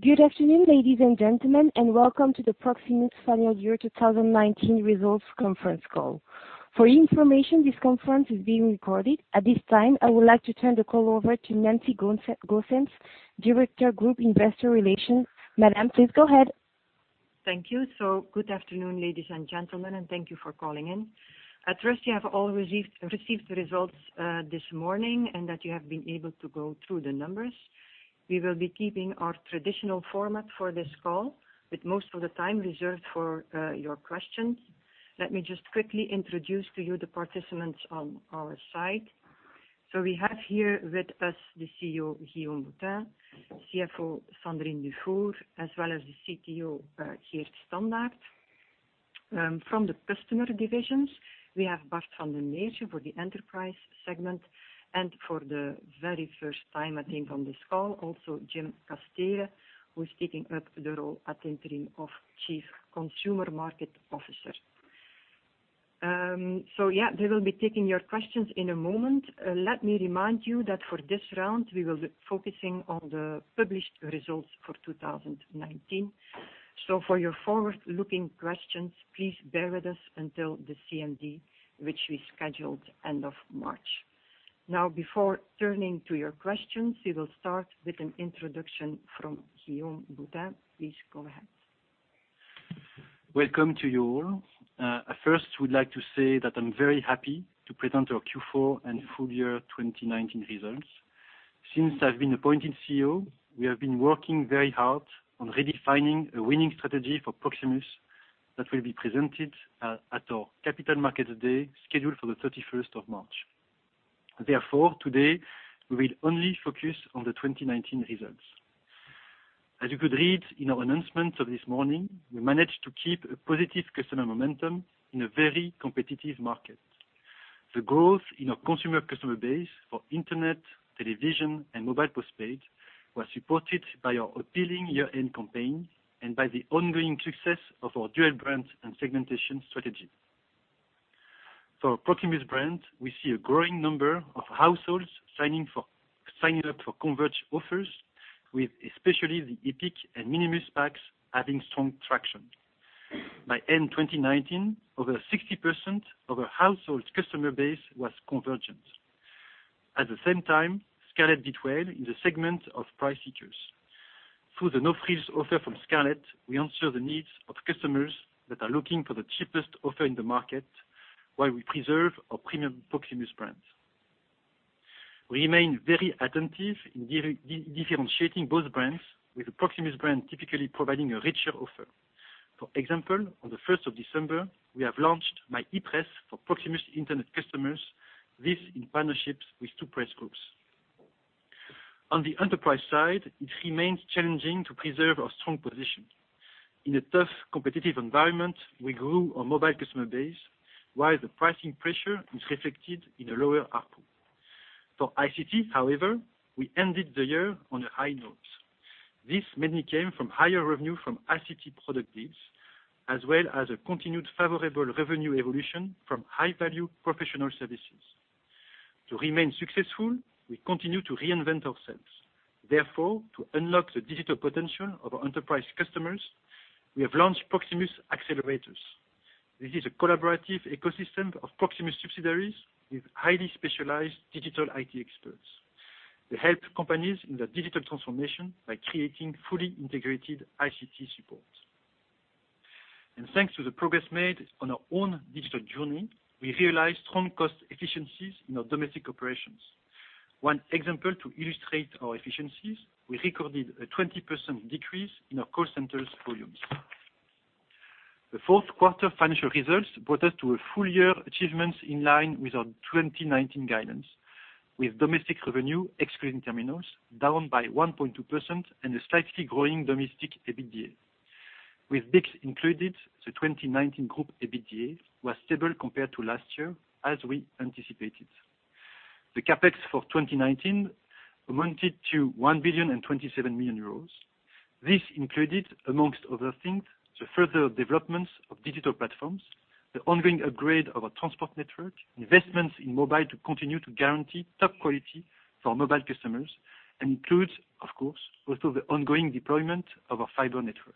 Good afternoon, ladies and gentlemen, welcome to the Proximus Financial Year 2019 Results Conference Call. For your information, this conference is being recorded. At this time, I would like to turn the call over to Nancy Goossens, Director, Group Investor Relations. Madam, please go ahead. Thank you. Good afternoon, ladies and gentlemen, and thank you for calling in. I trust you have all received the results this morning, and that you have been able to go through the numbers. We will be keeping our traditional format for this call, with most of the time reserved for your questions. Let me just quickly introduce to you the participants on our side. We have here with us the CEO, Guillaume Boutin, CFO, Sandrine Dufour, as well as the CTO, Geert Standaert. From the customer divisions, we have Bart Van Den Meersche for the enterprise segment, and for the very first time, I think, on this call, also Jim Casteele, who's taking up the role at interim of Chief Consumer Market Officer. They will be taking your questions in a moment. Let me remind you that for this round, we will be focusing on the published results for 2019. For your forward-looking questions, please bear with us until the CMD, which we scheduled end of March. Before turning to your questions, we will start with an introduction from Guillaume Boutin. Please go ahead. Welcome to you all. I first would like to say that I'm very happy to present our Q4 and full year 2019 results. Since I've been appointed CEO, we have been working very hard on redefining a winning strategy for Proximus that will be presented at our Capital Markets Day scheduled for the 31st of March. Today, we will only focus on the 2019 results.. As you could read in our announcements of this morning, we managed to keep a positive customer momentum in a very competitive market. The growth in our consumer customer base for internet, television, and mobile postpaid was supported by our appealing year-end campaign and by the ongoing success of our dual brand and segmentation strategy. For Proximus brand, we see a growing number of households signing up for converged offers, with especially the Epic and Minimus packs having strong traction. By end 2019, over 60% of our household customer base was convergent. At the same time, Scarlet did well in the segment of price seekers. Through the no-frills offer from Scarlet, we answer the needs of customers that are looking for the cheapest offer in the market while we preserve our premium Proximus brand. We remain very attentive in differentiating both brands, with the Proximus brand typically providing a richer offer. For example, on the 1st of December, we have launched My e-Press for Proximus internet customers. This in partnerships with two press groups. On the enterprise side, it remains challenging to preserve our strong position. In a tough competitive environment, we grew our mobile customer base, while the pricing pressure is reflected in a lower ARPU. For ICT, however, we ended the year on a high note. This mainly came from higher revenue from ICT product deals, as well as a continued favorable revenue evolution from high-value professional services. To remain successful, we continue to reinvent ourselves. To unlock the digital potential of our enterprise customers, we have launched Proximus Accelerators. This is a collaborative ecosystem of Proximus subsidiaries with highly specialized digital IT experts. They help companies in their digital transformation by creating fully integrated ICT support. Thanks to the progress made on our own digital journey, we realized strong cost efficiencies in our domestic operations. One example to illustrate our efficiencies, we recorded a 20% decrease in our call centers volumes. The fourth quarter financial results brought us to a full year achievements in line with our 2019 guidance, with domestic revenue excluding terminals down by 1.2% and a slightly growing domestic EBITDA. With BICS included, the 2019 group EBITDA was stable compared to last year, as we anticipated. The CapEx for 2019 amounted to 1.27 billion. This included, among other things, the further developments of digital platforms, the ongoing upgrade of our transport network, investments in mobile to continue to guarantee top quality for our mobile customers, and includes, of course, also the ongoing deployment of our fiber network.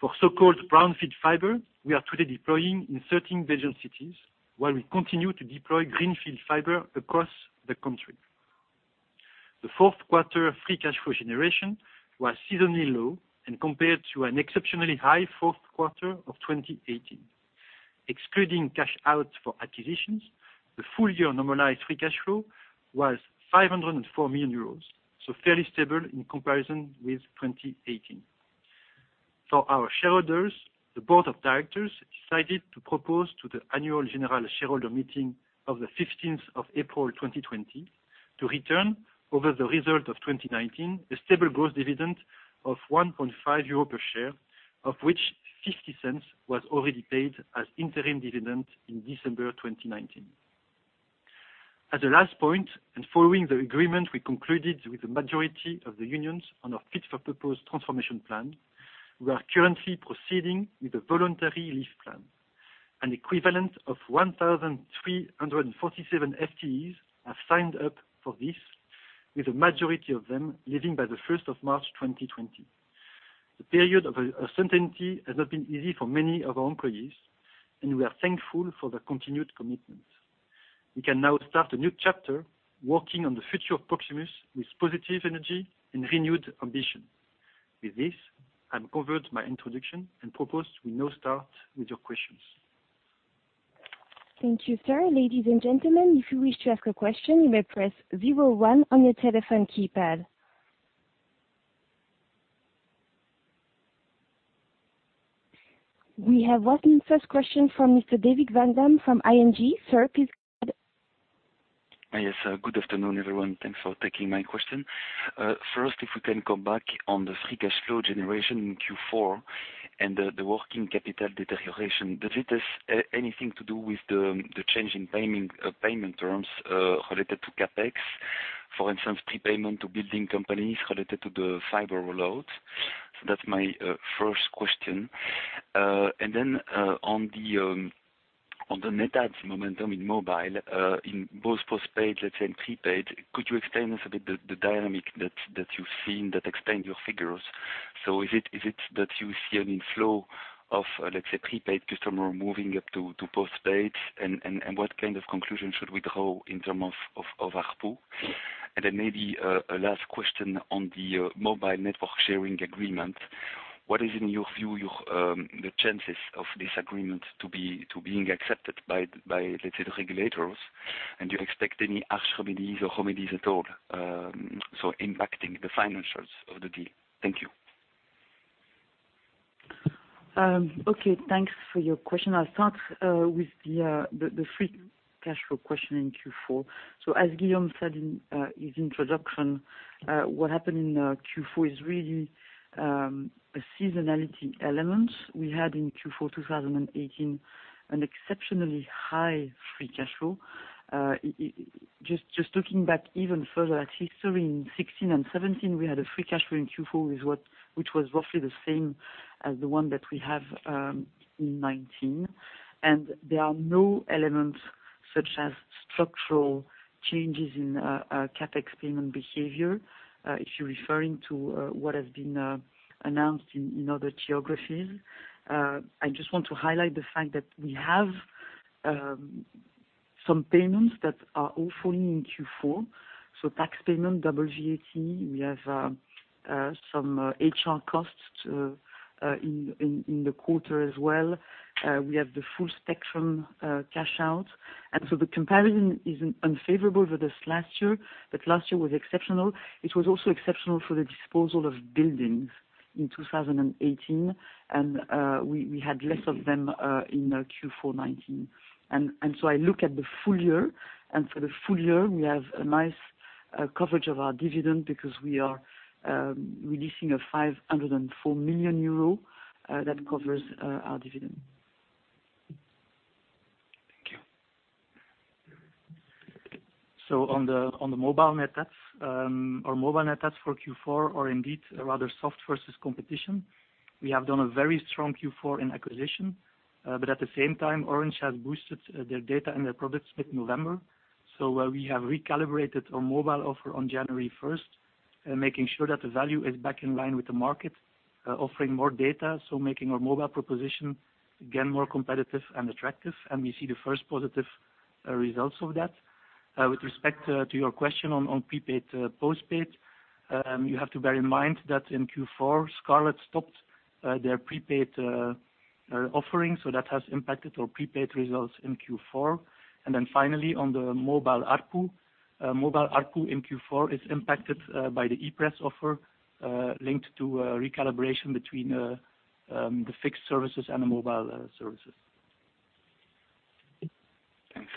For so-called brownfield fiber, we are today deploying in 13 Belgian cities, while we continue to deploy greenfield fiber across the country. The fourth quarter free cash flow generation was seasonally low and compared to an exceptionally high fourth quarter of 2018. Excluding cash out for acquisitions, the full-year normalized free cash flow was 504 million euros, so fairly stable in comparison with 2018. For our shareholders, the board of directors decided to propose to the annual general shareholder meeting of the 15th of April 2020 to return over the result of 2019, a stable growth dividend of 1.5 euro per share, of which 0.50 was already paid as interim dividend in December 2019. As a last point, and following the agreement we concluded with the majority of the unions on our fit for purpose transformation plan, we are currently proceeding with a voluntary leave plan. An equivalent of 1,347 FTEs have signed up for this, with a majority of them leaving by the 1st of March 2020. The period of uncertainty has not been easy for many of our employees, and we are thankful for their continued commitment. We can now start a new chapter, working on the future of Proximus with positive energy and renewed ambition. With this, I'm covered my introduction and propose we now start with your questions. Thank you, sir. Ladies and gentlemen, if you wish to ask a question, you may press zero one on your telephone keypad. We have one first question from Mr. David Vagman from ING. Sir, please go ahead. Yes. Good afternoon, everyone. Thanks for taking my question. First, if we can come back on the free cash flow generation in Q4 and the working capital deterioration. Does it has anything to do with the change in payment terms related to CapEx? For instance, prepayment to building companies related to the fiber roll-out. That's my first question. On the net adds momentum in mobile, in both postpaid, let's say, and prepaid, could you explain us a bit the dynamic that you've seen that explained your figures? Is it that you see an inflow of, let's say, prepaid customer moving up to postpaid? What kind of conclusion should we draw in term of ARPU? Maybe, a last question on the mobile network sharing agreement. What is, in your view, the chances of this agreement to being accepted by regulators? Do you expect any harsh remedies or remedies at all so impacting the financials of the deal? Thank you. Okay, thanks for your question. I'll start with the free cash flow question in Q4. As Guillaume said in his introduction, what happened in Q4 is really a seasonality element. We had in Q4 2018 an exceptionally high free cash flow. Just looking back even further at history, in 2016 and 2017, we had a free cash flow in Q4 which was roughly the same as the one that we have in 2019. There are no elements such as structural changes in CapEx payment behavior, if you're referring to what has been announced in other geographies. I just want to highlight the fact that we have some payments that are all falling in Q4. Tax payment, double VAT. We have some HR costs in the quarter as well. We have the full spectrum cash out. The comparison isn't unfavorable versus last year, but last year was exceptional. It was also exceptional for the disposal of buildings in 2018. We had less of them in Q4 2019. I look at the full year. For the full year, we have a nice coverage of our dividend because we are releasing 504 million euro that covers our dividend. Thank you. On the mobile net adds. Our mobile net adds for Q4 are indeed rather soft versus competition. We have done a very strong Q4 in acquisition. At the same time, Orange has boosted their data and their products mid-November. We have recalibrated our mobile offer on January 1st, making sure that the value is back in line with the market, offering more data, so making our mobile proposition again more competitive and attractive. We see the first positive results of that. With respect to your question on prepaid, postpaid. You have to bear in mind that in Q4, Scarlet stopped their prepaid offering, so that has impacted our prepaid results in Q4. Finally, on the mobile ARPU. Mobile ARPU in Q4 is impacted by the ePress offer linked to a recalibration between the fixed services and the mobile services. Thanks.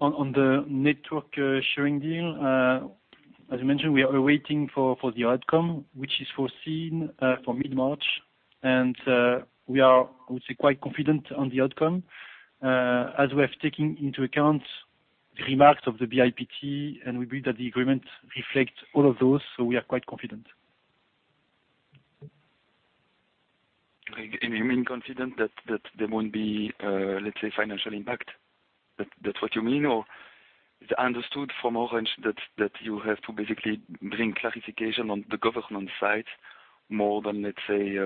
On the network sharing deal. As you mentioned, we are waiting for the outcome, which is foreseen for mid-March. We are, I would say, quite confident on the outcome, as we have taken into account the remarks of the BIPT, and we believe that the agreement reflects all of those. We are quite confident. You mean confident that there won't be, let's say, financial impact? That's what you mean, or? I understood from Orange that you have to basically bring clarification on the government side more than, let's say,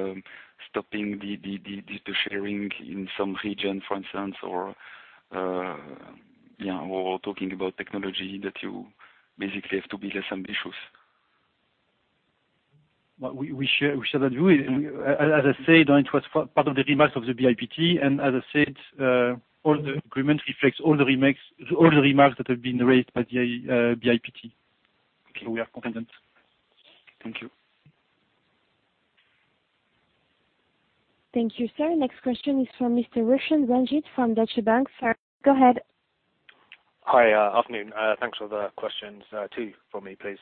stopping the data sharing in some region, for instance. Talking about technology that you basically have to be less ambitious. We share that view. As I said, it was part of the remarks of the BIPT. As I said, all the agreement reflects all the remarks that have been raised by the BIPT. We are confident. Thank you. Thank you, sir. Next question is from Mr. Roshan Ranjit from Deutsche Bank. Sir, go ahead. Hi, afternoon. Thanks for the questions. Two from me, please.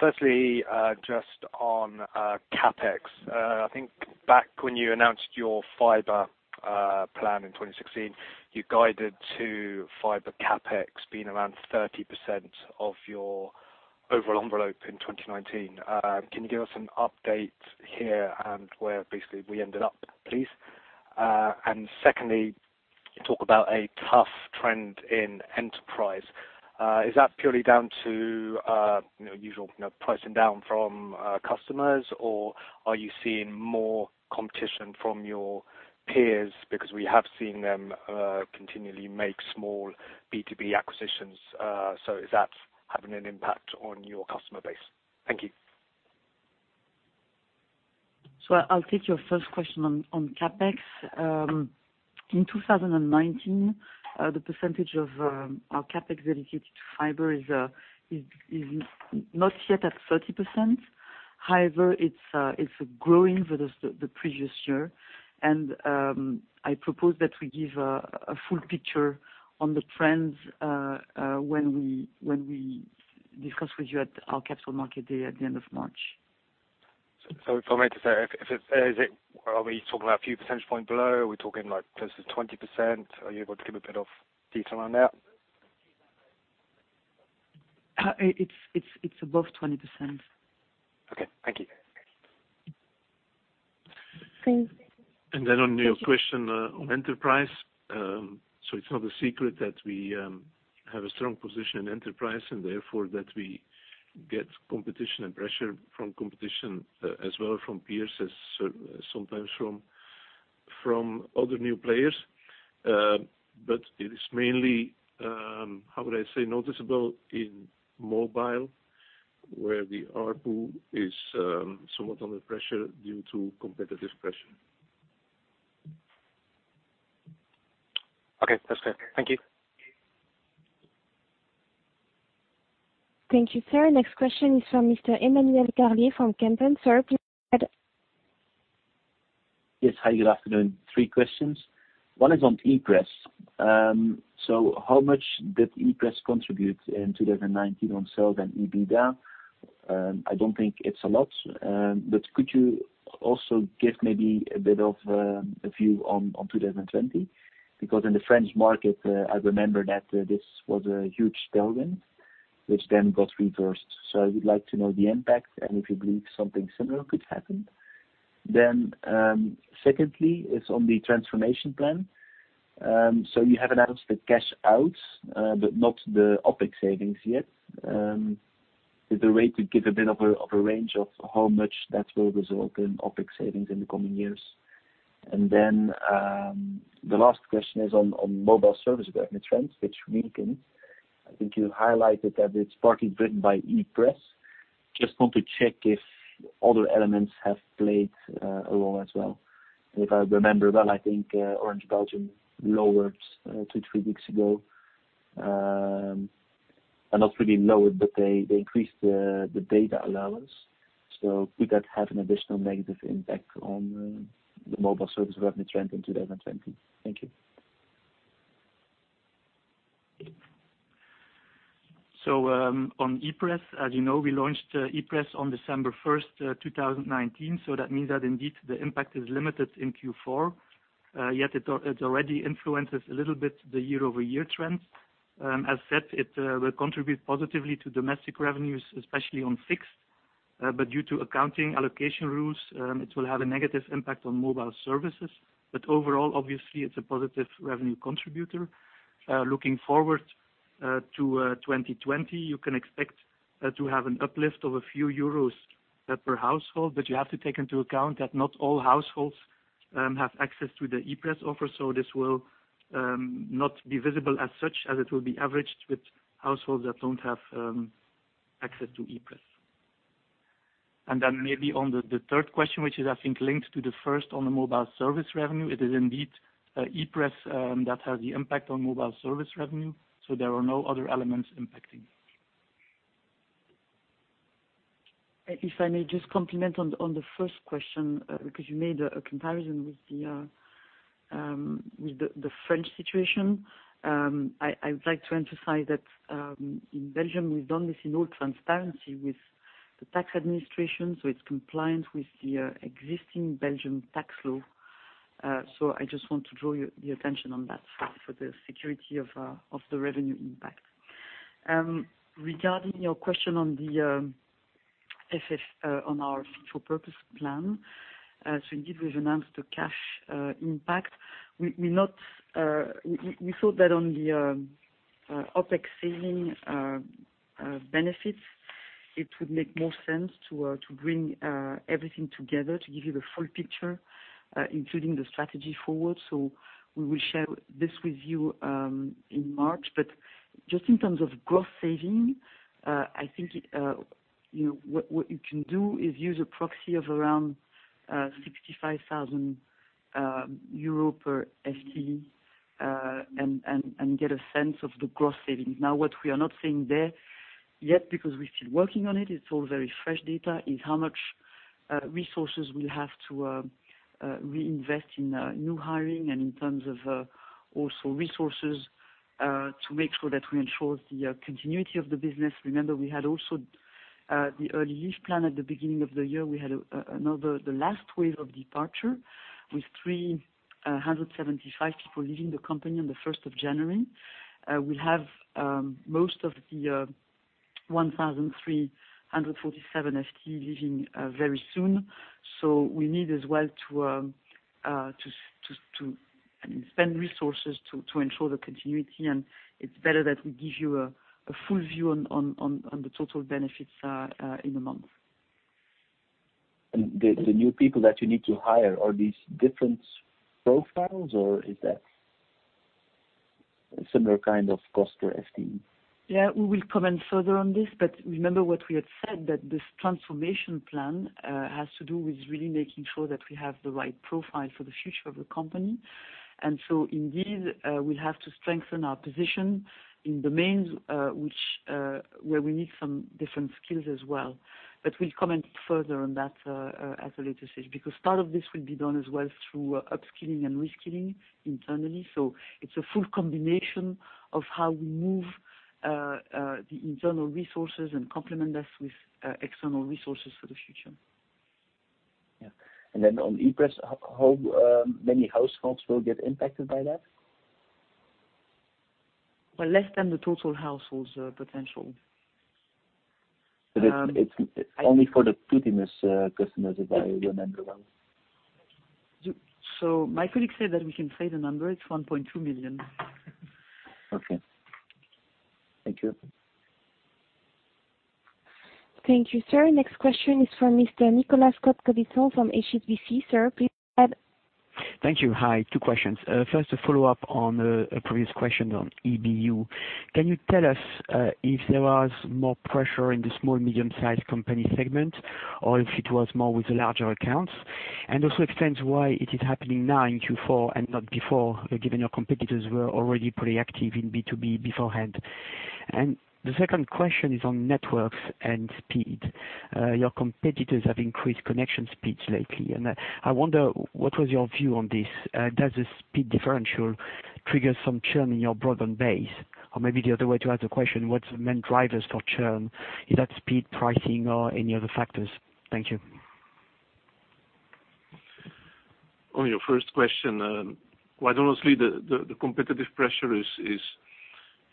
Firstly, just on CapEx. I think back when you announced your fiber plan in 2016. You guided to fiber CapEx being around 30% of your overall envelope in 2019. Can you give us an update here and where basically we ended up, please? Secondly, you talk about a tough trend in enterprise. Is that purely down to usual pricing down from customers, or are you seeing more competition from your peers? We have seen them continually make small B2B acquisitions. Is that having an impact on your customer base? Thank you. I'll take your first question on CapEx. In 2019, the percentage of our CapEx dedicated to fiber is not yet at 30%. However, it's growing versus the previous year. I propose that we give a full picture on the trends when we discuss with you at our Capital Markets Day at the end of March. If I may just say, are we talking about a few percentage points below? Are we talking close to 20%? Are you able to give a bit of detail on that? It's above 20%. Okay. Thank you. Thanks. On your question on enterprise. It's not a secret that we have a strong position in enterprise, and therefore that we get competition and pressure from competition as well from peers as sometimes from other new players. It is mainly, how would I say, noticeable in mobile, where the ARPU is somewhat under pressure due to competitive pressure. Okay, that's clear. Thank you. Thank you, sir. Next question is from Mr. Emmanuel Carlier from Kempen. Sir, please go ahead. Yes. Hi, good afternoon. Three questions. One is on ePress. How much did ePress contribute in 2019 on sales and EBITDA? I don't think it's a lot. Could you also give maybe a bit of a view on 2020? Because in the French market, I remember that this was a huge tailwind, which then got reversed. We'd like to know the impact and if you believe something similar could happen. Secondly, is on the transformation plan. You have announced the cash outs, but not the OpEx savings yet. Is there a way to give a bit of a range of how much that will result in OpEx savings in the coming years? The last question is on mobile service revenue trends, which weakened. I think you highlighted that it's partly driven by ePress. Just want to check if other elements have played a role as well. If I remember well, I think Orange Belgium lowered two, three weeks ago. Not really lowered, but they increased the data allowance. Could that have an additional negative impact on the mobile service revenue trend in 2020? Thank you. On ePress, as you know, we launched ePress on December 1st, 2019. That means that indeed the impact is limited in Q4. Yet it already influences a little bit the year-over-year trends. As said, it will contribute positively to domestic revenues, especially on fixed. Due to accounting allocation rules, it will have a negative impact on mobile services. Overall, obviously, it's a positive revenue contributor. Looking forward to 2020, you can expect to have an uplift of a few euros per household, but you have to take into account that not all households have access to the ePress offer, so this will not be visible as such, as it will be averaged with households that don't have access to ePress. Maybe on the third question, which is I think linked to the first on the mobile service revenue, it is indeed ePress that has the impact on mobile service revenue. There are no other elements impacting. If I may just complement on the first question, because you made a comparison with the French situation. I would like to emphasize that in Belgium, we've done this in all transparency with the tax administration, it's compliant with the existing Belgium tax law. I just want to draw your attention on that for the security of the revenue impact. Regarding your question on our fit for purpose plan. Indeed, we've announced the cash impact. We thought that on the OpEx saving benefits, it would make more sense to bring everything together to give you the full picture, including the strategy forward. We will share this with you in March. Just in terms of gross saving, I think what you can do is use a proxy of around 65,000 euro per FTE, and get a sense of the gross savings. What we are not saying there yet, because we are still working on it is all very fresh data, is how much resources we will have to reinvest in new hiring and in terms of also resources to make sure that we ensure the continuity of the business. Remember, we had also the early leave plan at the beginning of the year, we had another, the last wave of departure with 375 people leaving the company on the 1st of January. We will have most of the 1,347 FTE leaving very soon. We need as well to spend resources to ensure the continuity. It is better that we give you a full view on the total benefits in a month. The new people that you need to hire, are these different profiles or is that similar kind of cost to FTE? We will comment further on this. Remember what we had said, that this transformation plan has to do with really making sure that we have the right profile for the future of the company. Indeed, we'll have to strengthen our position in domains, where we need some different skills as well. We'll comment further on that at a later stage, because part of this will be done as well through upskilling and reskilling internally. It's a full combination of how we move the internal resources and complement us with external resources for the future. Yeah. On ePress, how many households will get impacted by that? Well, less than the total households potential. It's only for the Proximus customers, if I remember well. My colleague said that we can say the number, it's 1.2 million. Okay. Thank you. Thank you, sir. Next question is from Mr. Nicolas Cote-Colisson from HSBC. Sir, please go ahead. Thank you. Hi, two questions. First, a follow-up on a previous question on EBU. Can you tell us if there was more pressure in the small/medium-sized company segment or if it was more with the larger accounts? Also explain why it is happening now in Q4 and not before, given your competitors were already pretty active in B2B beforehand. The second question is on networks and speed. Your competitors have increased connection speeds lately, and I wonder what was your view on this. Does the speed differential trigger some churn in your broadband base? Maybe the other way to ask the question, what's the main drivers for churn? Is that speed, pricing, or any other factors? Thank you. On your first question, quite honestly, the competitive pressure is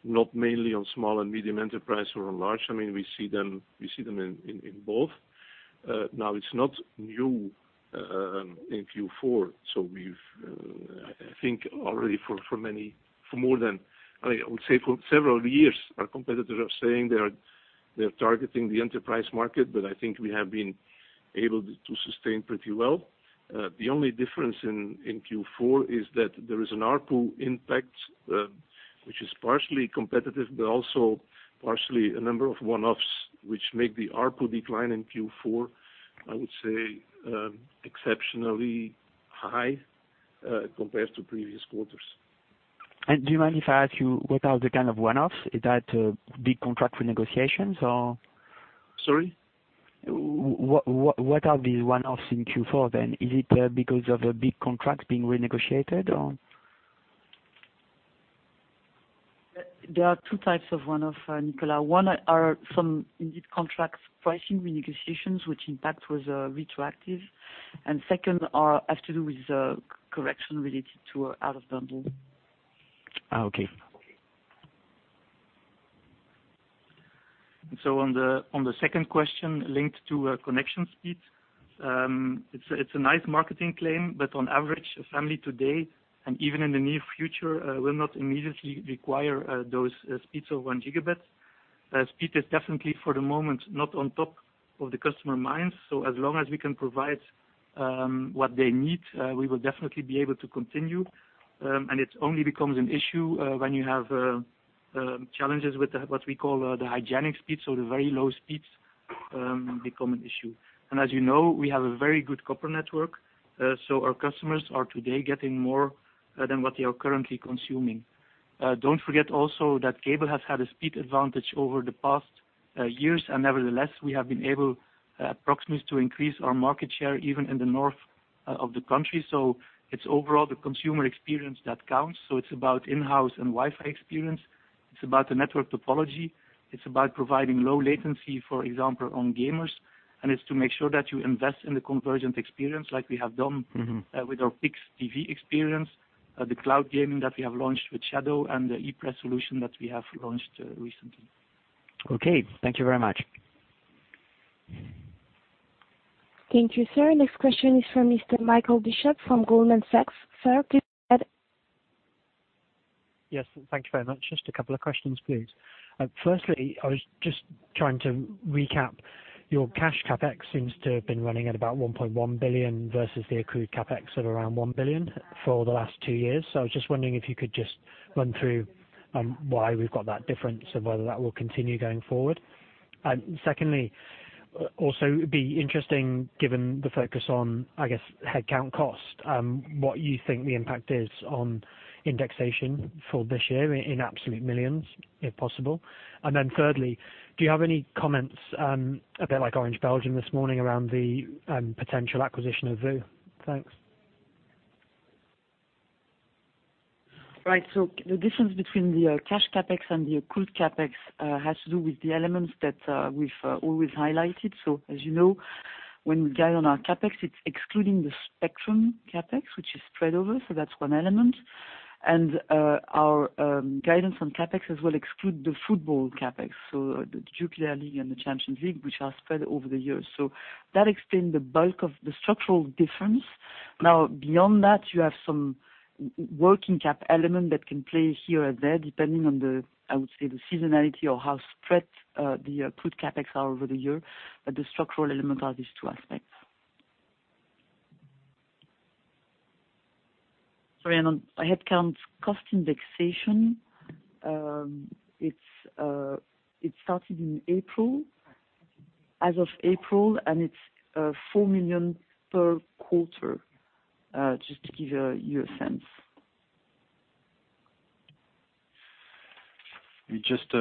not mainly on small and medium enterprise or on large. We see them in both. Now it's not new in Q4, so we've, I think already for several years, our competitors are saying they're targeting the enterprise market, but I think we have been able to sustain pretty well. The only difference in Q4 is that there is an ARPU impact, which is partially competitive, but also partially a number of one-offs, which make the ARPU decline in Q4, I would say, exceptionally high compared to previous quarters. Do you mind if I ask you what are the kind of one-offs? Is that big contract renegotiations or? Sorry? What are these one-offs in Q4 then? Is it because of the big contracts being renegotiated or? There are two types of one-off, Nicolas. One are some indeed contracts pricing renegotiations, which impact was retroactive. Second has to do with the correction related to out of bundle. Okay. On the second question linked to connection speed. It is a nice marketing claim, but on average, a family today and even in the near future, will not immediately require those speeds of one gigabit. Speed is definitely for the moment, not on top of the customer minds. As long as we can provide what they need, we will definitely be able to continue. It only becomes an issue when you have challenges with the, what we call the hygienic speeds or the very low speeds become an issue. As you know, we have a very good copper network. Our customers are today getting more than what they are currently consuming. Don't forget also that cable has had a speed advantage over the past years. Nevertheless, we have been able at Proximus to increase our market share even in the north of the country. It's overall the consumer experience that counts. It's about in-house and Wi-Fi experience. It's about the network topology. It's about providing low latency, for example, on gamers. It's to make sure that you invest in the convergent experience like we have done with our Pickx TV experience, the cloud gaming that we have launched with Shadow and the ePress solution that we have launched recently. Okay. Thank you very much. Thank you, sir. Next question is from Mr. Michael Bishop from Goldman Sachs. Sir, please go ahead. Yes, thank you very much. Just a couple of questions, please. Firstly, I was just trying to recap your cash CapEx seems to have been running at about 1.1 billion versus the accrued CapEx at around 1 billion for the last two years. I was just wondering if you could just run through why we've got that difference and whether that will continue going forward. Secondly, also it'd be interesting given the focus on, I guess, headcount cost, what you think the impact is on indexation for this year in absolute millions, if possible. Thirdly, do you have any comments, a bit like Orange Belgium this morning around the potential acquisition of VOO? Thanks. Right. The difference between the cash CapEx and the accrued CapEx has to do with the elements that we've always highlighted. As you know, when we guide on our CapEx, it's excluding the spectrum CapEx, which is spread over. That's one element. Our guidance on CapEx as well exclude the football CapEx, so the Jupiler League and the Champions League, which are spread over the years. That explains the bulk of the structural difference. Beyond that, you have some working cap element that can play here and there, depending on the, I would say, the seasonality or how spread the accrued CapEx are over the year. The structural element are these two aspects. Sorry, on headcount cost indexation, it started in April. As of April, it's 4 million per quarter, just to give you a sense. Just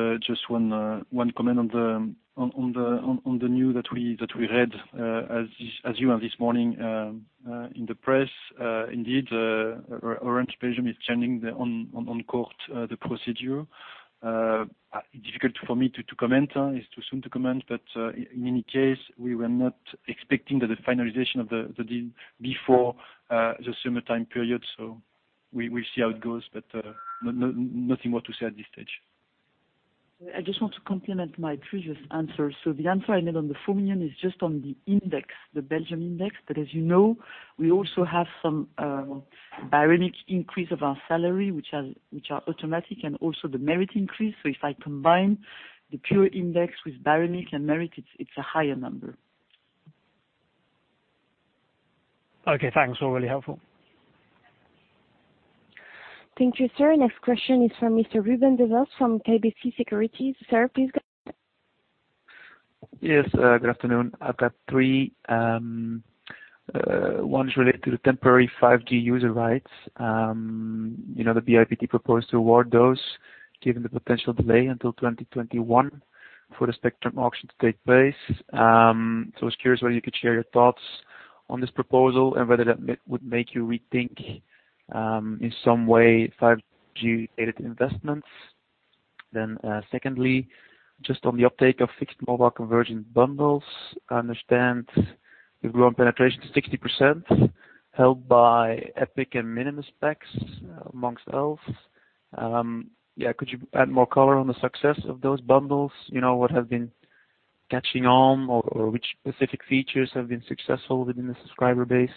one comment on the news that we read as you know this morning in the press. Indeed, Orange Belgium is challenging on court the procedure. Difficult for me to comment. It's too soon to comment, but in any case, we were not expecting the finalization of the deal before the summertime period. We see how it goes, but nothing more to say at this stage. I just want to complement my previous answer. The answer I made on the 4 million is just on the index, the Belgian index. As you know, we also have some baremic increase of our salary, which are automatic, and also the merit increase. If I combine the pure index with baremic and merit, it's a higher number. Okay, thanks. All really helpful. Thank you, sir. Next question is from Mr. Ruben De Vos from KBC Securities. Sir, please go ahead. Yes, good afternoon. I've got three. One is related to the temporary 5G user rights. The BIPT proposed to award those, given the potential delay until 2021 for the spectrum auction to take place. I was curious whether you could share your thoughts on this proposal and whether that would make you rethink in some way 5G-related investments. Secondly, just on the uptake of fixed mobile conversion bundles. I understand you've grown penetration to 60%, helped by Epic and Minimus packs amongst else. Could you add more color on the success of those bundles? What has been catching on or which specific features have been successful within the subscriber base?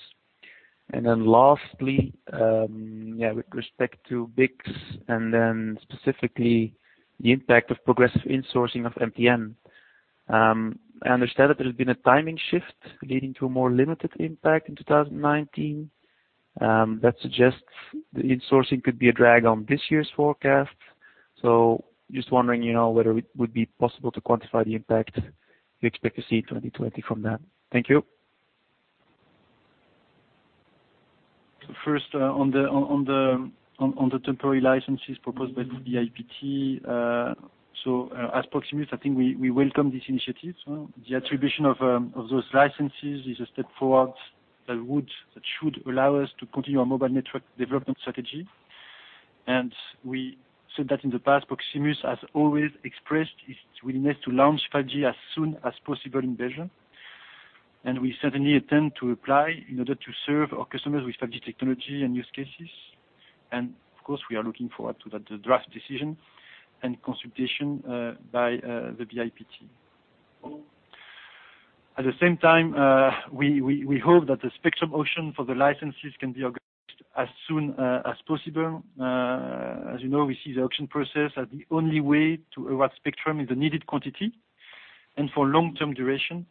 Lastly, with respect to BICS and then specifically the impact of progressive insourcing of MTN. I understand that there has been a timing shift leading to a more limited impact in 2019. That suggests the insourcing could be a drag on this year's forecast. Just wondering whether it would be possible to quantify the impact you expect to see in 2020 from that. Thank you. On the temporary licenses proposed by the BIPT. As Proximus, I think we welcome this initiative. The attribution of those licenses is a step forward that should allow us to continue our mobile network development strategy. We said that in the past, Proximus has always expressed its willingness to launch 5G as soon as possible in Belgium. We certainly intend to apply in order to serve our customers with 5G technology and use cases. Of course, we are looking forward to that draft decision and consultation by the BIPT. At the same time, we hope that the spectrum auction for the licenses can be organized as soon as possible. As you know, we see the auction process as the only way to award spectrum in the needed quantity and for long-term duration,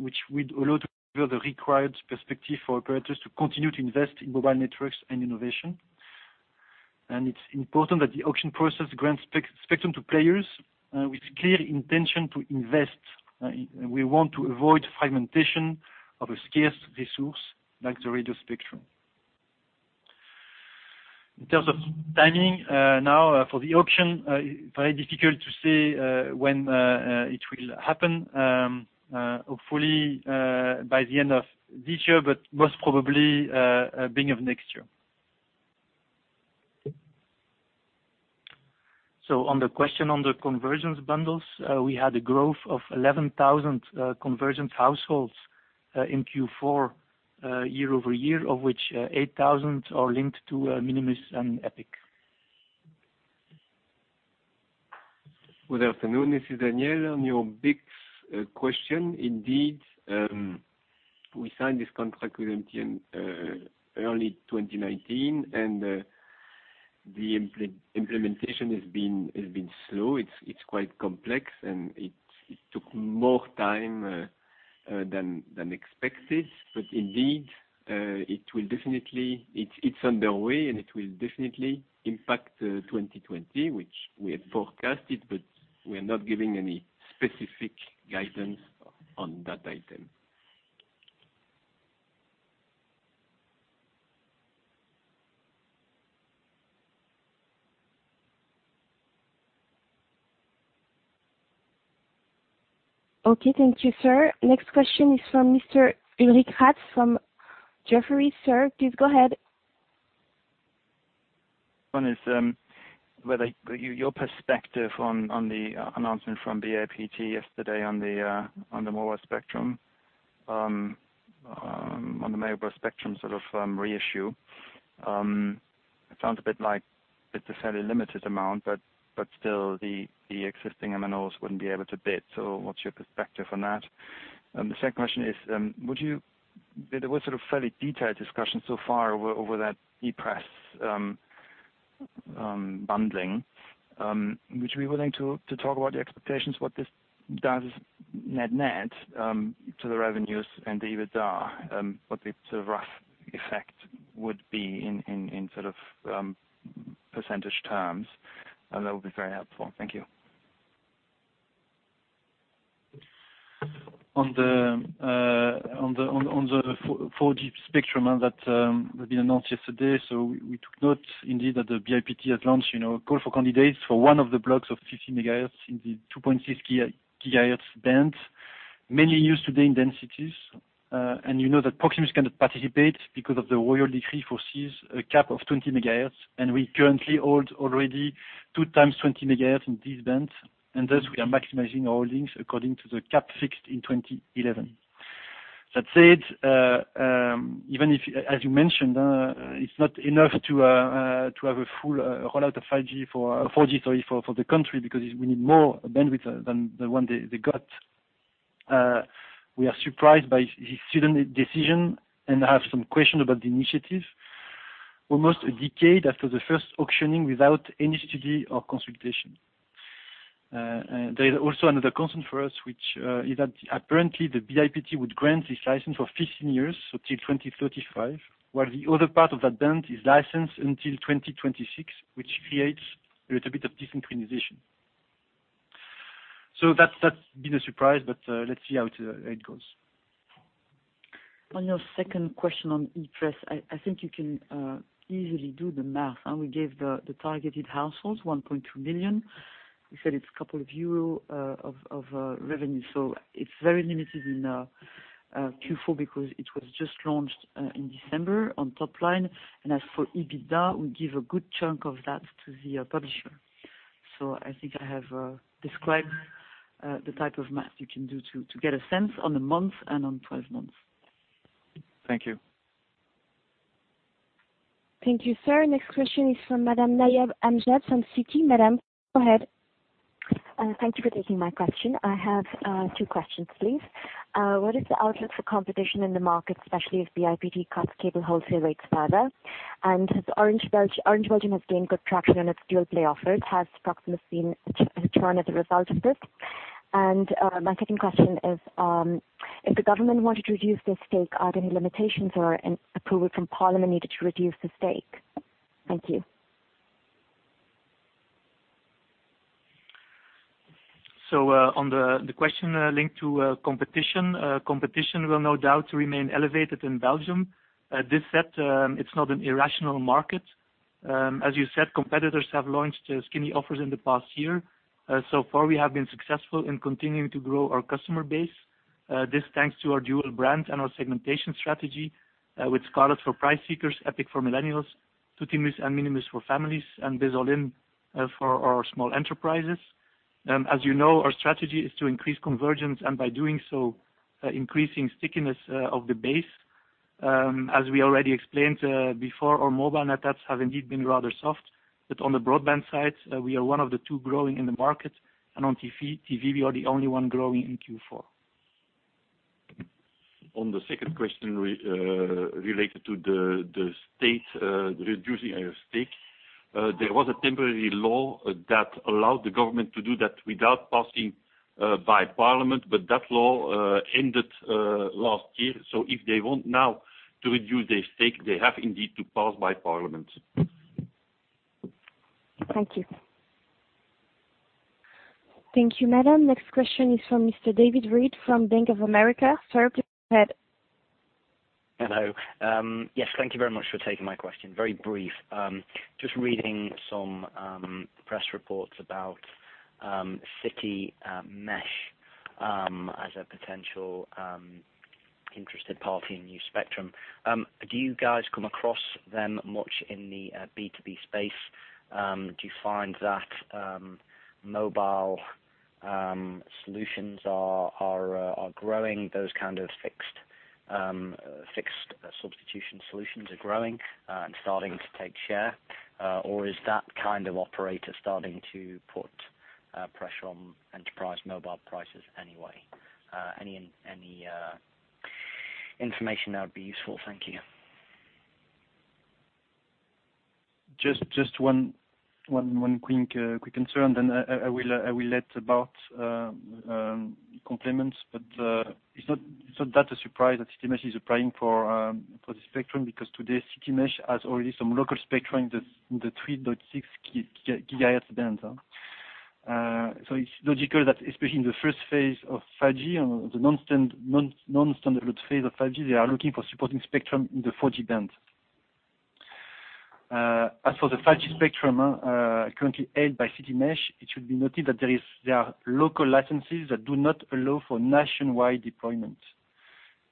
which would allow to deliver the required perspective for operators to continue to invest in mobile networks and innovation. It's important that the auction process grants spectrum to players with clear intention to invest. We want to avoid fragmentation of a scarce resource like the radio spectrum. In terms of timing now for the auction, very difficult to say when it will happen. Hopefully, by the end of this year, but most probably beginning of next year. On the question on the convergence bundles, we had a growth of 11,000 convergence households in Q4 year-over-year, of which 8,000 are linked to Minimus and Epic. Good afternoon, this is Daniel. On your BICS question, indeed, we signed this contract with MTN early 2019. The implementation has been slow. It's quite complex. It took more time than expected. Indeed, it's underway. It will definitely impact 2020, which we had forecasted. We are not giving any specific guidance on that item. Okay, thank you, sir. Next question is from Mr. Ulrich Rathe from Jefferies. Sir, please go ahead. One is your perspective on the announcement from BIPT yesterday on the mobile spectrum sort of reissue. It sounds a bit like it's a fairly limited amount, but still the existing MNOs wouldn't be able to bid. What's your perspective on that? The second question is, there was sort of fairly detailed discussion so far over that e-Press bundling. Would you be willing to talk about your expectations, what this does net to the revenues and the EBITDA? What the sort of rough effect would be in % terms? That would be very helpful. Thank you. On the 4G spectrum that had been announced yesterday. We took note indeed that the BIPT at launch call for candidates for one of the blocks of 50 MHz in the 2.6 GHz band, mainly used today in densities. You know that Proximus cannot participate because of the royal decree foresees a cap of 20 MHz, and we currently hold already two times 20 MHz in this band, and thus we are maximizing our holdings according to the cap fixed in 2011. That said, even if, as you mentioned, it's not enough to have a full roll out of 4G for the country because we need more bandwidth than the one they got. We are surprised by this sudden decision and have some question about the initiative, almost a decade after the first auctioning without any study or consultation. There is also another concern for us, which is that apparently the BIPT would grant this license for 15 years, so till 2035, while the other part of that band is licensed until 2026, which creates a little bit of desynchronization. That's been a surprise, but let's see how it goes. On your second question on ePress, I think you can easily do the math. We gave the targeted households 1.2 million. We said it's a couple of euro of revenue. It's very limited in Q4 because it was just launched in December on top line. As for EBITDA, we give a good chunk of that to the publisher. I think I have described the type of math you can do to get a sense on the month and on 12 months. Thank you. Thank you, sir. Next question is from Madam Nayab Amjad from Citi. Madam, go ahead. Thank you for taking my question. I have two questions, please. What is the outlook for competition in the market, especially if BIPT cuts cable wholesale rates further? Orange Belgium has gained good traction on its dual play offer. Has Proximus seen a churn as a result of this? My second question is, if the government wanted to reduce their stake, are there any limitations or an approval from parliament needed to reduce the stake? Thank you. On the question linked to competition. Competition will no doubt remain elevated in Belgium. This said, it's not an irrational market. As you said, competitors have launched skinny offers in the past year. So far, we have been successful in continuing to grow our customer base. This thanks to our dual brand and our segmentation strategy, with Scarlet for price seekers, Epic for millennials, Tuttimus and Minimus for families, and Bizz All-in for our small enterprises. As you know, our strategy is to increase convergence and by doing so, increasing stickiness of the base. As we already explained before, our mobile net adds have indeed been rather soft. On the broadband side, we are one of the two growing in the market, and on TV, we are the only one growing in Q4. On the second question related to the state reducing our stake. There was a temporary law that allowed the government to do that without passing by parliament, but that law ended last year. If they want now to reduce their stake, they have indeed to pass by parliament. Thank you. Thank you, madam. Next question is from Mr. David Wright from Bank of America. Sir, please go ahead. Hello. Yes, thank you very much for taking my question. Very brief. Just reading some press reports about Citymesh as a potential interested party in new spectrum. Do you guys come across them much in the B2B space? Do you find that mobile solutions are growing, those kind of fixed substitution solutions are growing and starting to take share? Is that kind of operator starting to put pressure on enterprise mobile prices anyway? Any information that would be useful? Thank you. Just one quick concern, then I will let Bart complement. It's not that a surprise that Citymesh is applying for the spectrum because today Citymesh has already some local spectrum in the 3.6 GHz band. It's logical that especially in the first phase of 5G, the non-standard phase of 5G, they are looking for supporting spectrum in the 4G band. As for the 5G spectrum currently held by Citymesh, it should be noted that there are local licenses that do not allow for nationwide deployment.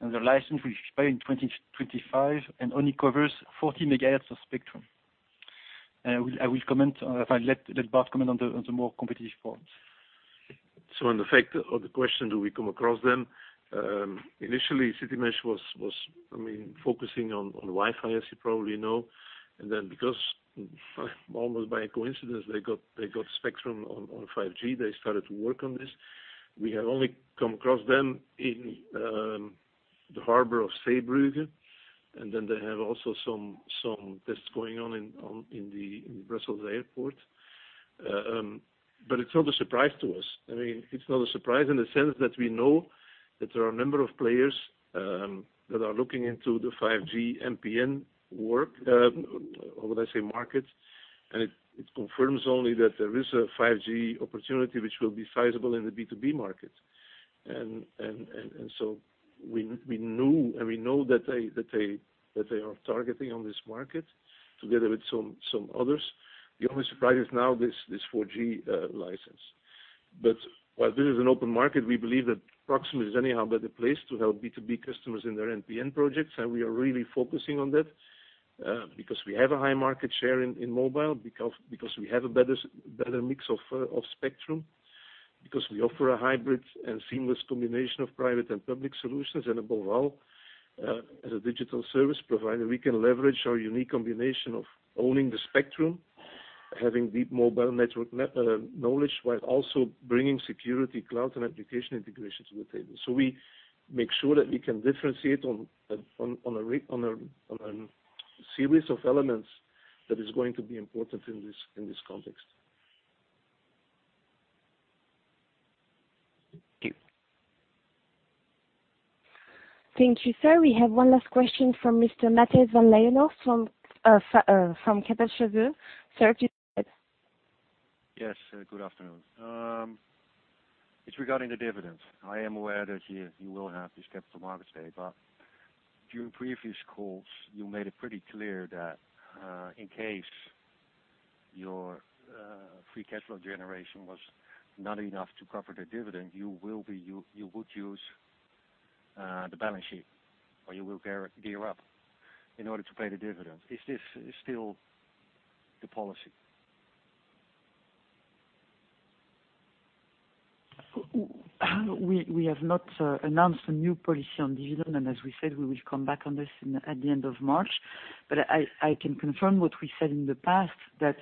The license will expire in 2025 and only covers 40 MHz of spectrum. I will comment. In fact, let Bart comment on the more competitive parts. On the fact or the question, do we come across them? Initially, Citymesh was focusing on Wi-Fi, as you probably know. Because, almost by coincidence, they got spectrum on 5G, they started to work on this. We have only come across them in the harbor of Zeebrugge, and then they have also some tests going on in the Brussels Airport. It's not a surprise to us. It's not a surprise in the sense that we know that there are a number of players that are looking into the 5G MPN work, or let's say, market. It confirms only that there is a 5G opportunity which will be sizable in the B2B market. We know that they are targeting on this market together with some others. The only surprise is now this 4G license. While this is an open market, we believe that Proximus is anyhow better placed to help B2B customers in their MPN projects, and we are really focusing on that. We have a high market share in mobile, because we have a better mix of spectrum, because we offer a hybrid and seamless combination of private and public solutions. Above all, as a digital service provider, we can leverage our unique combination of owning the spectrum, having deep mobile network knowledge, while also bringing security, cloud, and application integrations to the table. We make sure that we can differentiate on a series of elements that is going to be important in this context. Thank you. Thank you, sir. We have one last question from Mr. Matthijs van Leijenhorst from Kepler Cheuvreux. Sir, please go ahead. Yes, good afternoon. It's regarding the dividends. I am aware that you will have this Capital Markets Day, but during previous calls, you made it pretty clear that in case your free cash flow generation was not enough to cover the dividend, you would use the balance sheet, or you will gear up in order to pay the dividend. Is this still the policy? We have not announced a new policy on dividend, and as we said, we will come back on this at the end of March. I can confirm what we said in the past, that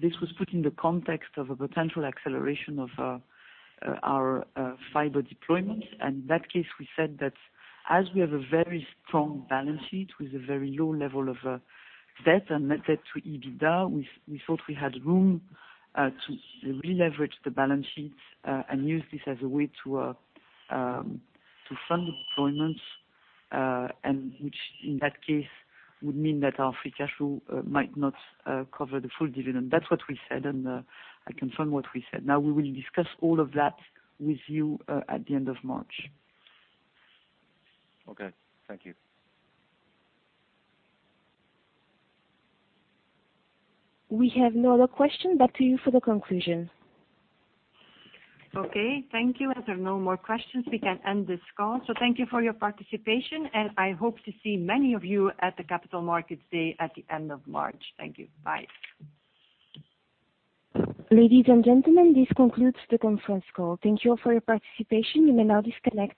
this was put in the context of a potential acceleration of our fiber deployment. In that case, we said that as we have a very strong balance sheet with a very low level of debt and net debt to EBITDA, we thought we had room to releverage the balance sheet and use this as a way to fund deployments. Which in that case would mean that our free cash flow might not cover the full dividend. That's what we said, and I confirm what we said. Now, we will discuss all of that with you at the end of March. Okay. Thank you. We have no other question. Back to you for the conclusion. Okay, thank you. As there are no more questions, we can end this call. Thank you for your participation, and I hope to see many of you at the Capital Markets Day at the end of March. Thank you. Bye. Ladies and gentlemen, this concludes the conference call. Thank you all for your participation. You may now disconnect.